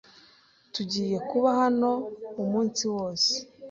Tugiye kuba hano umunsi wose.